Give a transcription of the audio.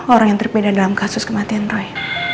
orang yang terpidana dalam kasus kematian roy